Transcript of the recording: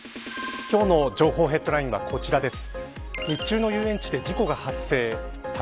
今日の情報ヘッドラインはこちらです。